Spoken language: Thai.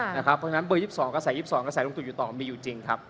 เพราะฉะนั้นเบอร์๒๒กระแส๒๒กระแสลุงตู่อยู่ต่อมีอยู่จริงครับ